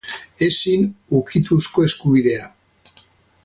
Ezin ukituzko eskubidea